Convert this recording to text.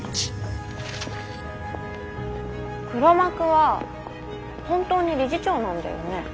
黒幕は本当に理事長なんだよね？